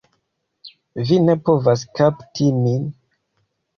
Vi ne povas kapti min!